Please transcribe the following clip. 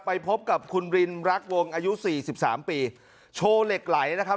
ไปพบกับคุณรินรักวงอายุสี่สิบสามปีโชว์เหล็กไหลนะครับ